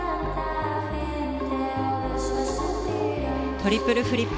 トリプルフリップ。